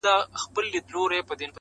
زما او د پښتونخوا د سترګو تور منظور،